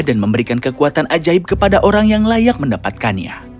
dan memberikan kekuatan ajaib kepada orang yang layak mendapatkannya